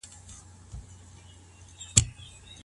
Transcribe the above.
پداسي حال کي چي په اسلامي شريعت کي.